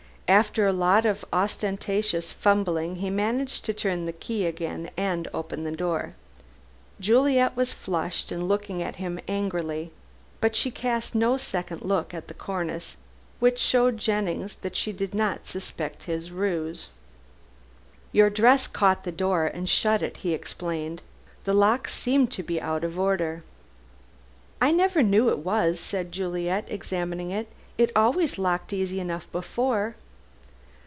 After a lot of ostentatious fumbling he managed to turn the key again and open the door. Juliet was flushed and looked at him angrily. But she cast no second look at the cornice, which showed Jennings that she did not suspect his ruse. "Your dress caught the door and shut it," he explained, "the lock seems to be out of order." "I never knew it was," said Juliet, examining it; "it always locked easy enough before."